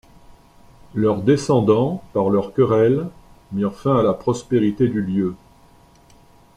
Leurs descendants, par leurs querelles, mirent fin à la prospérité du lieu.